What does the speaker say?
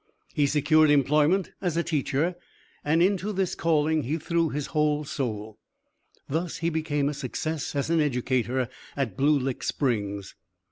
He secured employment as a teacher, and into this calling he threw his whole soul. Thus he became a success as an educator at Blue Lick Springs.